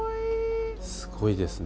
すごいですね。